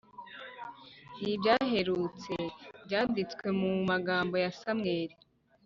n ibyaherutse byanditswe mu magambo ya Samweli